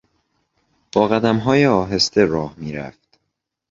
با قدمهای آهسته راه میرفت.